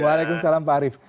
waalaikumsalam pak arief